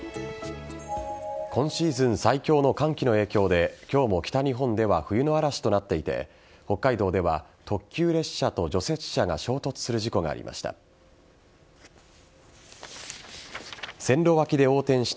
今シーズン最強の寒気の影響で今日も北日本では冬の嵐となっていて北海道では特急列車と除雪車が衝突する事故がありました。